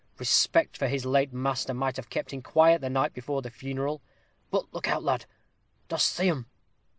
Respect for his late master might have kept him quiet the night before the funeral. But look out, lad. Dost see 'em?"